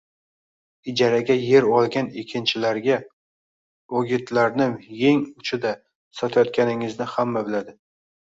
– Ijaraga yer olgan ekinchilarga o‘g‘itlarni yeng uchida sotayotganingizni hamma biladi